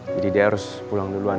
jadi dia harus pulang duluan